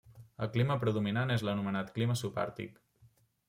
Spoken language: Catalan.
El clima predominant és l'anomenat clima subàrtic.